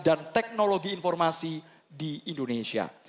dan teknologi informasi di indonesia